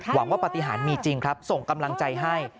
หวังว่าปฏิหารมีจริงครับส่งกำลังใจให้